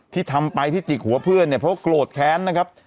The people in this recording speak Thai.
ที่ทำไปที่จิกหัวเพื่อนเนี่ยเพราะโกรธแค้นนะครับ